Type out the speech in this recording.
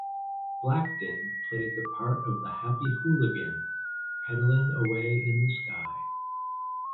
Blackton played the part of the "Happy Hooligan" pedalling away in the sky.